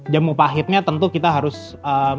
jamu pahitnya tentu kita harus